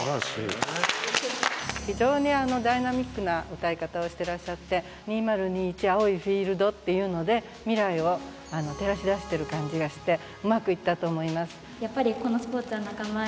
非常にダイナミックなうたい方をしてらっしゃって「２０２１青いフィールド」っていうので未来を照らし出してる感じがしてうまくいったと思います。